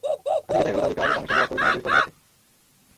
কাছে গিয়ে দেখা গেল, তালিকার দামের সঙ্গে বাস্তবের দামের বেশ গরমিল আছে।